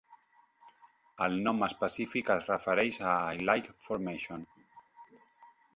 El nom específic es refereix a Ilike Formation.